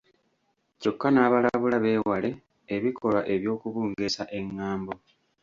Kyokka n’abalabula beewale ebikolwa ebyokubungeesa eng’ambo.